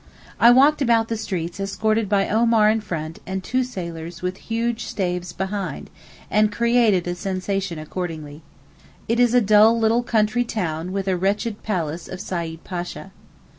I walked about the streets escorted by Omar in front and two sailors with huge staves behind, and created a sensation accordingly. It is a dull little country town with a wretched palace of Said Pasha.